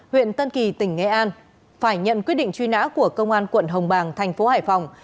huyện tân kỳ tỉnh nghệ an phải nhận quyết định truy nã của công an quận hồng bàng thành phố hải phòng